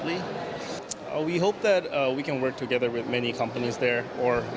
kami berharap kita bisa bekerja bersama banyak perusahaan di sana